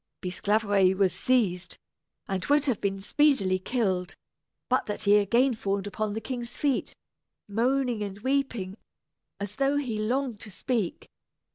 Bisclaveret was seized, and would have been speedily killed, but that he again fawned upon the king's feet, moaning and weeping as though he longed to speak.